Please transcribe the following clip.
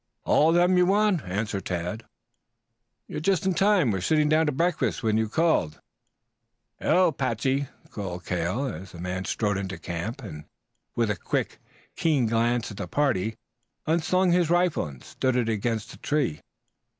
"All of them you want," answered Tad. "You are just in time. We were sitting down to breakfast when you called." "Hello, Patsey," called Cale as the man strode into camp and, with a quick, keen glance at the party, unslung his rifle and stood it against a tree.